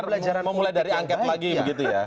ini kan bukan pembelajaran memulai dari angket lagi begitu ya